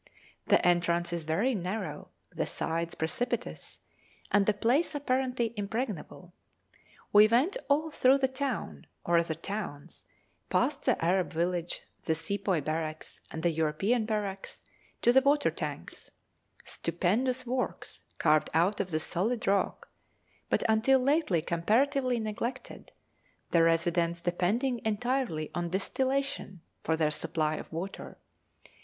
The entrance is very narrow, the sides precipitous, and the place apparently impregnable. We went all through the town, or rather towns, past the Arab village, the Sepoy barracks, and the European barracks, to the water tanks, stupendous works carved out of the solid rock, but until lately comparatively neglected, the residents depending entirely on distillation for their supply of water.